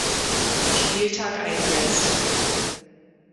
Spieltag einsetzte.